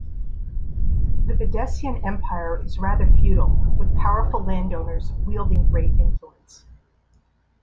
The Videssian Empire is rather feudal, with powerful landowners wielding great influence.